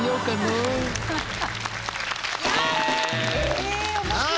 へえ面白い。